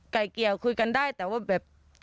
ไก่เกลี่ยคุยกันได้แต่ว่าแบบ